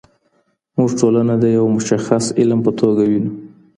موږ ټولنه د یو مشخص علم په توګه وینو.